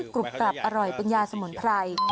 กรุบกลับอร่อยเป็นยาสมุนไพร